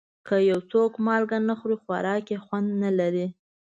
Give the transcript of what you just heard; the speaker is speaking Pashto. که یو څوک مالګه نه خوري، خوراک یې خوند نه لري.